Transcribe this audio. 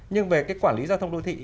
nhưng về cái quản lý giao thông đô thị